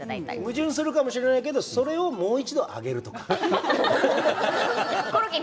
矛盾するかもしれないけどもう一度それを揚げるとか。